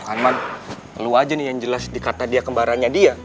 kan man lo aja nih yang jelas dikata dia kembarannya dia